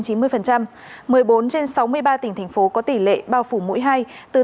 một mươi bốn trên sáu mươi tỉnh thành phố có tỷ lệ bao phủ mỗi hai trên chín mươi